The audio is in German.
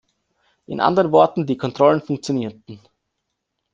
In anderen Worten, die Kontrollen funktionierten.